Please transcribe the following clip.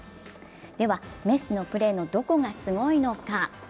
ではメッシのプレーのどこがすごいのか。